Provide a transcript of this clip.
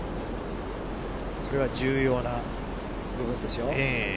これは重要な部分ですよ。